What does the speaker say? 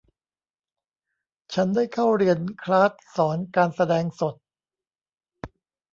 ฉันได้เข้าเรียนคลาสสอนการแสดงสด